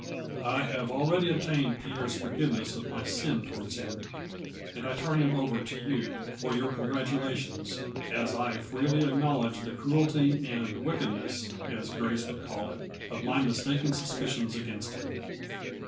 I have already obtained Pierre's forgiveness of my sin towards him, and I turn him over to you for your congratulations, as I freely acknowledge the cruelty and wicked nes (as Grace would call it) of my mistaken suspicions against him.